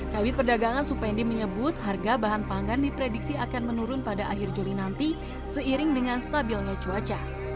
kabit perdagangan supendi menyebut harga bahan pangan diprediksi akan menurun pada akhir juli nanti seiring dengan stabilnya cuaca